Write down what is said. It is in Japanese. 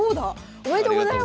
おめでとうございます！